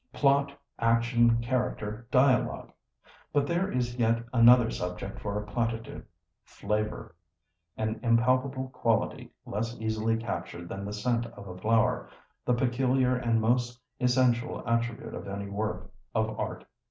Plot, action, character, dialogue! But there is yet another subject for a platitude. Flavour! An impalpable quality, less easily captured than the scent of a flower, the peculiar and most essential attribute of any work of art!